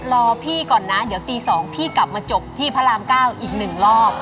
รอพี่ก่อนนะเดี๋ยวตี๒พี่กลับมาจบที่พระราม๙อีก๑รอบ